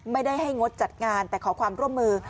ไม่ได้ให้งดจัดงานแต่ขอความร่วมมือ